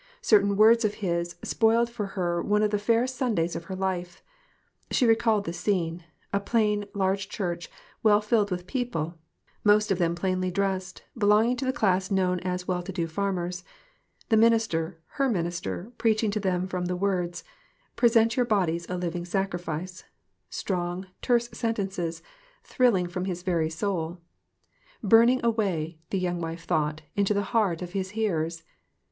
Certain words of his had spoiled for her one of the fairest Sundays of her life. She recalled the scene a plain, large church, well filled with people, most of them plainly dressed, belonging to the class known as well to do farmers; the minister her minister preaching to them from the words "Present your bodies a living sacrifice" strong, terse sentences, thrilling from his very soul; TOTAL DEPRAVITY. 45 burning a way, the young wife thought, into the hearts of his hearers.